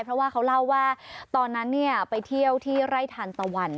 เพราะว่าเขาเล่าว่าตอนนั้นไปเที่ยวที่ไร่ทานตะวัน